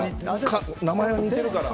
名前が似てるから。